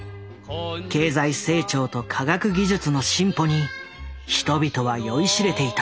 経済成長と科学技術の進歩に人々は酔いしれていた。